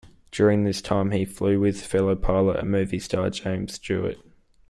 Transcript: During this time, he flew with fellow pilot and movie star, James Stewart.